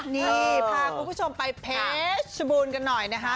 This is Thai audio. นี่พาคุณผู้ชมไปเพชรชบูรณ์กันหน่อยนะคะ